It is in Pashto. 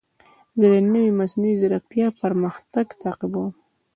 زه د نوې مصنوعي ځیرکتیا پرمختګ تعقیبوم.